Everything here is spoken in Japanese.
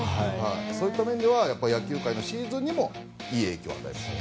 そういった面では野球界のシーズンにもいい影響を与えていると。